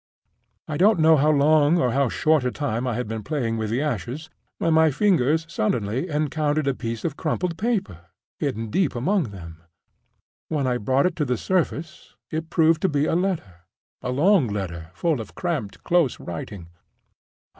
I don't know how long or how short a time I had been playing with the ashes, when my fingers suddenly encountered a piece of crumpled paper hidden deep among them. When I brought it to the surface, it proved to be a letter—a long letter full of cramped, close writing.